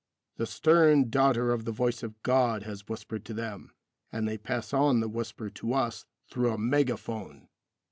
The stern daughter of the voice of God has whispered to them, and they pass on the whisper to us through a mega phone.